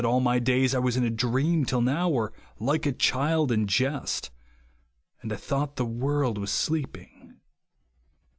11 my clays I was in a dream till now, or like a child in jest ; and I thought the world was sleeping."